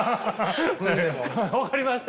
分かりました？